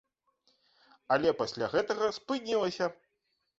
Але пасля гэтага спынілася.